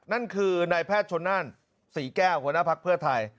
นั่นคือนายแพทย์ชนนั่นศรีแก้วหัวหน้าภักดิ์เพื่อไทย